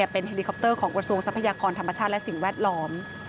เป็นเฮลิคอปเตอร์ของกระทรวงทรัพยากรธรรมชาติและสิ่งแวดล้อม